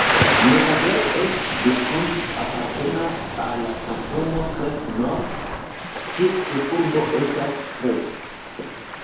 Mirabel-et-Blacons apartenas al la kantono Crest-Nord, kies ĉefurbo estas Crest.